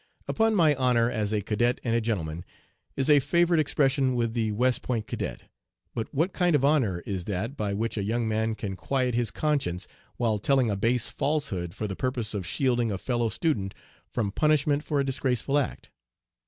"'Upon my honor as a cadet and a gentleman,'" is a favorite expression with the West Point cadet; but what kind of honor is that by which a young man can quiet his conscience while telling a base falsehood for the purpose of shielding a fellow student from punishmen for a disgraceful act?